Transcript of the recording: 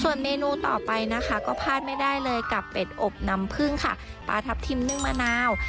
ส่วนเมนูต่อไปนะคะก็พลาดไม่ได้เลยกับเป็ดอบน้ำพึ่งค่ะปลาทับทิมนึ่งมะนาว